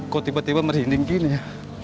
kok tiba tiba merinding gini ya